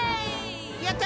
やった！